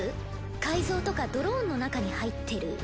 カイゾーとかドローンの中に入ってる。